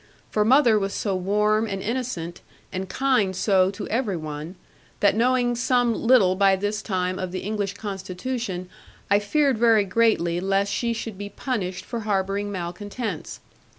For mother was so warm, and innocent, and kind so to every one, that knowing some little by this time of the English constitution, I feared very greatly lest she should be punished for harbouring malcontents.